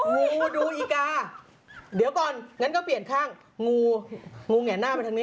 งูดูอีกาเดี๋ยวก่อนงั้นก็เปลี่ยนข้างงูงูแง่หน้าไปทางนี้